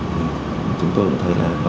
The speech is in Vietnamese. thì chúng tôi thấy là